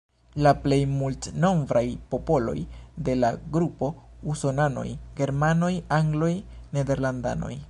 La plej multnombraj popoloj de la grupo: Usonanoj, Germanoj, Angloj, Nederlandanoj.